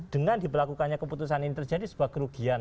dengan diberlakukannya keputusan ini terjadi sebuah kerugian